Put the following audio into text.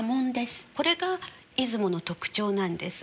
これが出雲の特徴なんです。